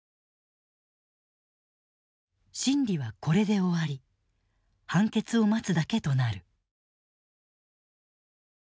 審理はこれで終わり判決を待つだけとなる。